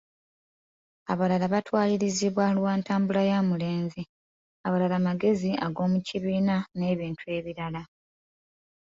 Abalala batwalirizibwa lwa ntambula ya mulenzi, abalala magezi ag'omukibiina n'ebintu ebirala.